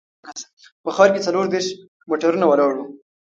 په ښار کې څلور دیرش موټرونه ولاړ وو.